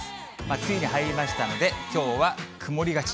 梅雨に入りましたので、きょうは曇りがち。